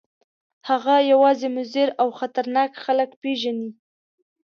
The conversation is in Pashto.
هغه یوازې مضر او خطرناک خلک پېژني.